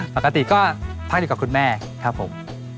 ปกติก็พักอยู่กับคุณแม่ครับผม